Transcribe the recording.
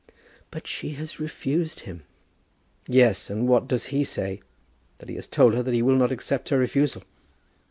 "But she has refused him." "Yes; and what does he say? that he has told her that he will not accept her refusal.